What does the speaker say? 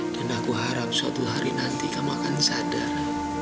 dan aku harap suatu hari nanti kamu akan sadar